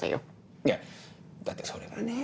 いやだってそれはね。